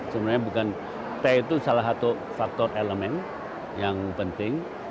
sebenarnya bukan teh itu salah satu faktor elemen yang penting